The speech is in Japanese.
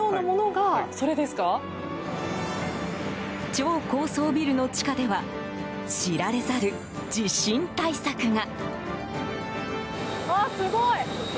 超高層ビルの地下では知られざる地震対策が。